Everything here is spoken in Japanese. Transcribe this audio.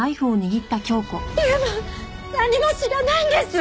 優馬は何も知らないんです！